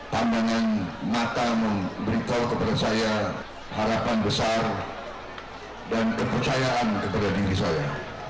pandangan mata memberitahu kepada saya harapan besar dan kepercayaan kepada diri saya